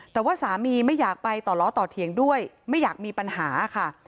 แต่ว่าสามีไม่อยากไปต่อล้อต่อเถียงด้วยไม่อยากมีปัญหาค่ะ